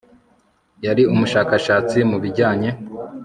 Yari umushakashatsi mu bijyanye